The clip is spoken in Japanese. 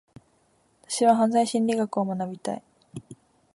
私は犯罪心理学を学びたい。